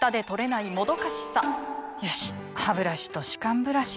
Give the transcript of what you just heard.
よしハブラシと歯間ブラシでと。